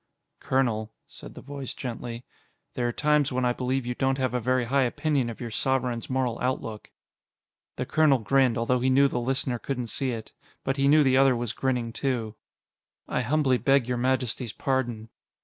"Colonel," said the voice gently, "there are times when I believe you don't have a very high opinion of your Sovereign's moral outlook." The colonel grinned, although he knew the listener couldn't see it. But he knew the other was grinning, too. "I humbly beg your majesty's pardon."